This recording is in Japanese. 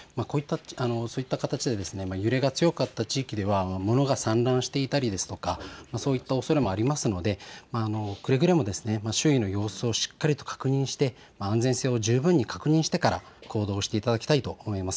そういった形で揺れが強かった地域では物が散乱していたりですとかそういったおそれもありますのでくれぐれも周囲の様子をしっかりと確認して安全性を十分に確認してから行動していただきたいと思います。